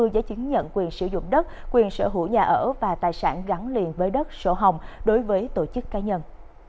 giấy chứng nhận quyền sử dụng đất quyền sở hữu nhà ở và tài sản gắn liền với đất sổ hồng đối với tổ chức cá nhân